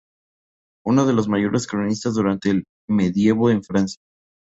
Uno de los mayores cronistas durante el medievo en Francia.